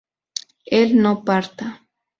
él no parta